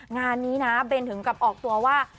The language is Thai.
งานนี้นะเบนถึงกับออกตัวว่า